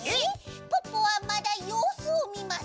ポッポはまだようすをみます。